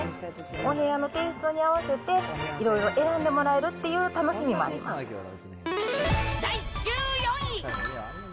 お部屋のテイストに合わせて、いろいろ選んでもらえるっていう楽第１４位。